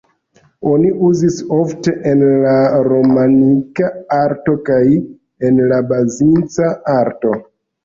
Oni uzis ofte en la romanika arto kaj en la bizanca arto.